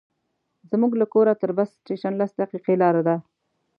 زموږ له کوره تر بس سټېشن لس دقیقې لاره ده.